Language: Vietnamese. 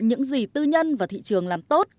những gì tư nhân và thị trường làm tốt